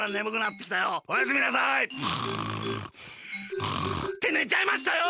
ってねちゃいましたよ！